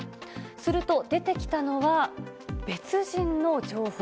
すると、出てきたのは別人の情報。